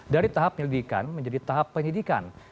dari tahap penyelidikan menjadi tahap penyidikan